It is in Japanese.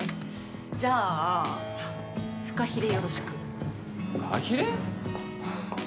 じゃあ、フカヒレよろしく。